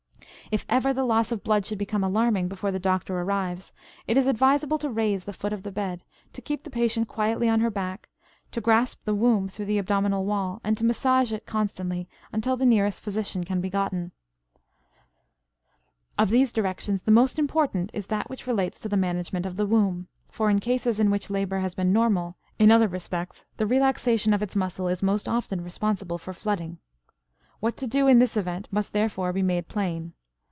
If ever the loss of blood should become alarming before the doctor arrives, it is advisable to raise the foot of the bed, to keep the patient quietly on her back, to grasp the womb through the abdominal wall, and to massage it constantly until the nearest physician can be gotten. Of these directions the most important is that which relates to the management of the womb, for in cases in which labor has been normal in other respects the relaxation of its muscle is most often responsible for flooding. What to do in this event must therefore be made plain.